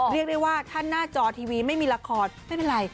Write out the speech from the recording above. เรียกได้ว่าถ้าหน้าจอทีวีไม่มีละครไม่เป็นไร